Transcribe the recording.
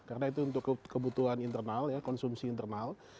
karena itu untuk kebutuhan internal ya konsumsi internal